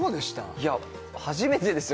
いや初めてですよ